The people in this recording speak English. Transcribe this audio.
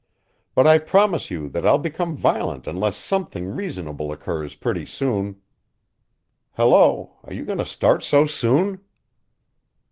But I promise you that I'll become violent unless something reasonable occurs pretty soon. Hello, are you going to start so soon?"